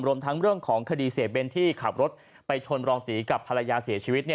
รวมทั้งเรื่องของคดีเสียเบ้นที่ขับรถไปชนรองตีกับภรรยาเสียชีวิต